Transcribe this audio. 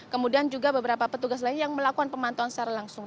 kemudian juga beberapa petugas lain yang melakukan pemantauan secara langsung